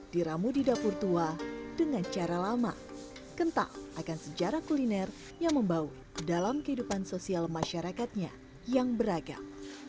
diramu di dapur tua dengan cara lama kental akan sejarah kuliner yang membau dalam kehidupan sosial masyarakatnya yang beragam